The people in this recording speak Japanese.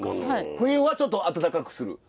冬はちょっと暖かくする。